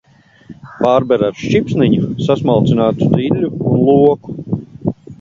Pārber ar šķipsniņu sasmalcinātu diļļu un loku.